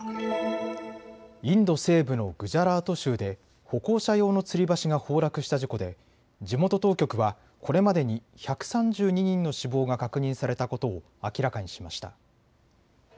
インド西部のグジャラート州で歩行者用のつり橋が崩落した事故で地元当局はこれまでに１３２人の死亡が確認されたことを明らかにしました。